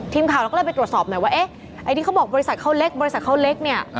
ทีมข่าวเราก็เลยไปตรวจสอบหน่อยว่าเอ๊ะไอ้ที่เขาบอกบริษัทเขาเล็กบริษัทเขาเล็กเนี่ย